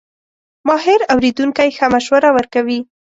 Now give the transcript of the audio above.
ماهر اورېدونکی ښه مشوره ورکوي.